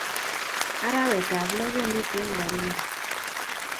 Arawet ab loo kemiten Baringo